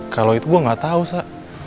kalo itu gua gak tau sa